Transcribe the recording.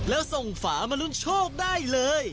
แล้วส่งฝามาลุ้นโชคได้เลย